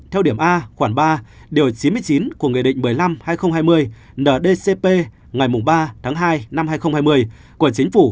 theo điểm a khoảng ba điều chín mươi chín của nghị định một mươi năm hai nghìn hai mươi ndcp ngày ba tháng hai năm hai nghìn hai mươi của chính phủ